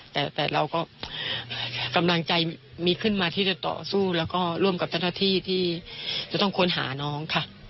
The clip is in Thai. แต่เราก็กำลังใจมีขึ้นมาที่จะต่อสู้แล้วก็ร่วมกับเจ้าหน้าที่ที่จะต้องค้นหาน้องค่ะ